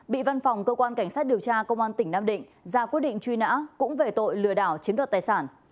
bị văn phòng cơ quan cảnh sát điều tra công an tỉnh nam định ra quyết định truy nã cũng về tội lừa đảo chiếm đoạt tài sản